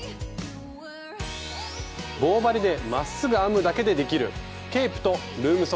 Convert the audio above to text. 棒針でまっすぐ編むだけでできるケープとルームソックス。